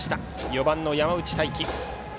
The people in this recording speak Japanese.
４番の山内太暉。